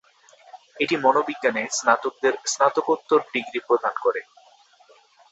এটি মনোবিজ্ঞানে স্নাতকদের স্নাতকোত্তর ডিগ্রি প্রদান করে।